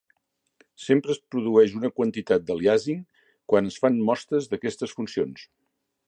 Sempre es produeix una quantitat d'aliàsing quan es fan mostres d'aquestes funcions.